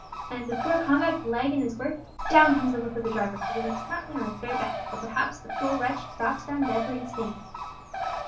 and if the poor convict lag in his work, down comes the whip of the driver, who lays it smartly on his bare back, till perhaps the poor wretch drops down dead where he stands!"